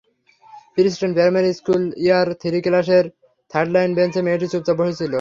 Preston primary school year three ক্লাসের third last বেঞ্চে মেয়েটি চুপচাপ বসেছিল।